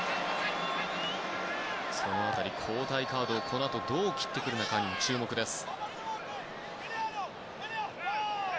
その辺り、交代カードをこのあとどう切ってくるのかにも注目です。